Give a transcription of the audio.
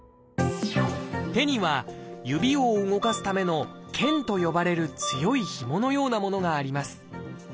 手には指を動かすための「腱」と呼ばれる強いひものようなものがあります。